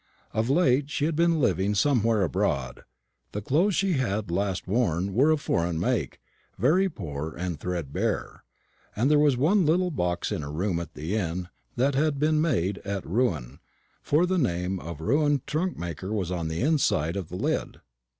Of late she had been living somewhere abroad. The clothes she had last worn were of foreign make, very poor and threadbare; and there was one little box in her room at the inn that had been made at Rouen, for the name of a Rouen trunkmaker was on the inside of the lid.